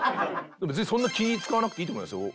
別にそんな気ぃ使わなくていいと思いますよ。